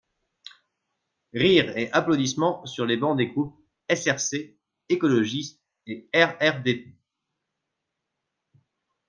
(Rires et applaudissements sur les bancs des groupes SRC, écologiste et RRDP.